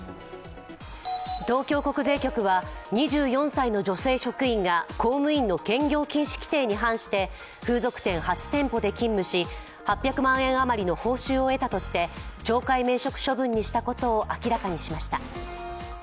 東京国税局は、２４歳の女性職員が公務員の兼業禁止規定に反して風俗店８店舗で勤務し、８００万円余りの報酬を得たとして懲戒免職処分にしたことを明らかにしました。